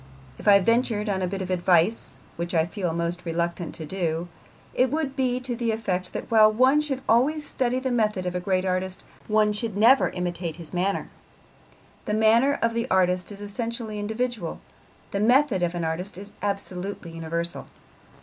If I ventured on a bit of advice, which I feel most reluctant to do, it would be to the effect that while one should always study the method of a great artist, one should never imitate his manner. The manner of an artist is essentially individual, the method of an artist is absolutely universal.